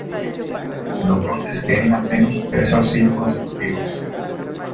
Los brotes tienen al menos tres zarcillos consecutivos.